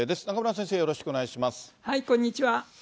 中村先生、よろしくお願いします。